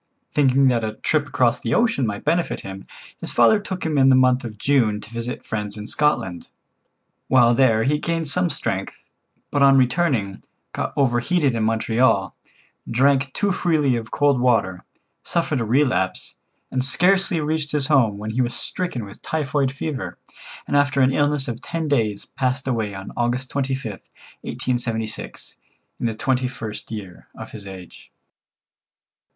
Thinking that a trip across the ocean might benefit him, his father took him in the month of June to visit friends in Scotland. While there he gained some strength, but on returning, got overheated in Montreal, drank too freely of cold water, suffered a relapse, and scarcely reached his home when he was stricken with typhoid fever, and after an illness of ten days passed away on August 25th, 1876, in the twenty first year of his age.